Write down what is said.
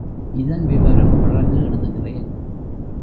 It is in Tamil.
இதன் விவரம் பிறகு எழுதுகிறேன்.